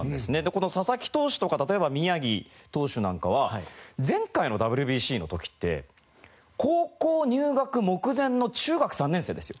この佐々木投手とか例えば宮城投手なんかは前回のＷＢＣの時って高校入学目前の中学３年生ですよ。